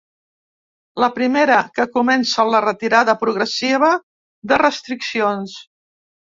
La primera, que comença la retirada progressiva de restriccions.